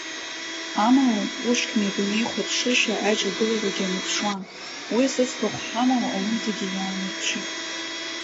Амала, Пушкин идунеихәаԥшышьа аиҿагыларагьы аныԥшуан, уи зыӡбахә ҳамоу аҩымҭагьы иаанарԥшит.